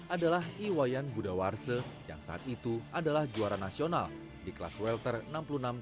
adalah iwayan budawarse yang saat itu adalah juara nasional di kelas welter enam puluh enam